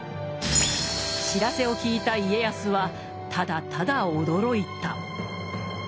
知らせを聞いた家康はただただ驚いた。